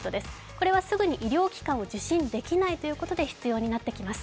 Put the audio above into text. これはすぐに医療機関が受診できないということで必要になってきます。